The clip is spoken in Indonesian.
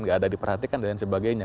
gak ada diperhatikan dan lain sebagainya